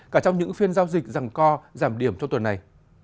cả trong những phiên giao dịch rằng co giảm điểm trong tuần này